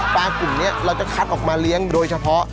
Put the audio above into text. กลุ่มนี้เราจะคัดออกมาเลี้ยงโดยเฉพาะ